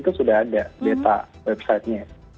itu sudah ada data website nya